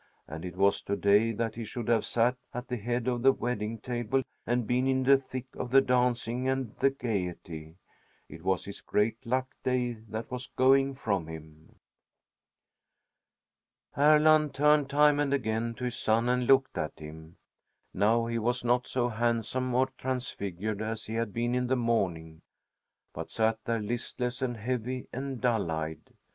And it was to day that he should have sat at the head of the wedding table and been in the thick of the dancing and the gayety. It was his great luck day that was going from him. Erland turned time and again to his son and looked at him. Now he was not so handsome or transfigured as he had been in the morning, but sat there listless and heavy and dull eyed.